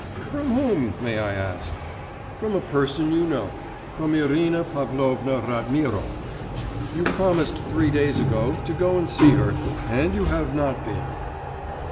'From whom, may I ask?' 'From a person you know, from Irina Pavlovna Ratmirov. You promised three days ago to go and see her and you have not been.